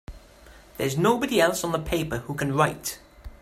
There's nobody else on the paper who can write!